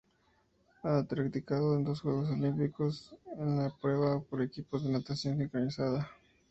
Ha participado en dos Juegos Olímpicos, en la prueba por equipos de natación sincronizada.